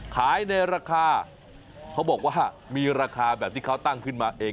ขายในราคาเขาบอกว่ามีราคาแบบที่เขาตั้งขึ้นมาเอง